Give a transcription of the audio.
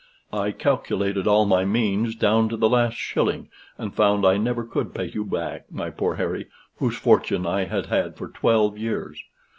I calculated all my means down to the last shilling, and found I never could pay you back, my poor Harry, whose fortune I had had for twelve years.